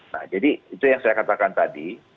nah jadi itu yang saya katakan tadi